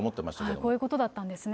こういうことだったんですね。